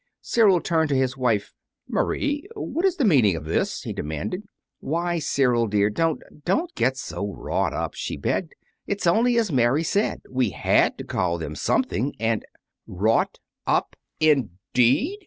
Cyril turned to his wife. "Marie, what is the meaning of this?" he demanded. "Why, Cyril, dear, don't don't get so wrought up," she begged. "It's only as Mary said, we had to call them something, and " "Wrought up, indeed!"